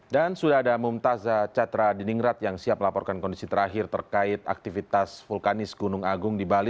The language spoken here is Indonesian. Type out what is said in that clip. dan sudah ada mumtazah chandra di ningrat yang siap melaporkan kondisi terakhir terkait aktivitas vulkanis gunung agung di bali